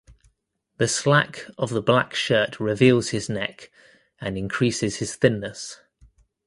The slack of the black shirt reveals his neck and increases his thinness"".